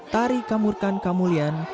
tari kamurkan kamulian